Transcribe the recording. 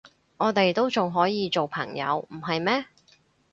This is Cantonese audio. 我哋都仲可以做朋友，唔係咩？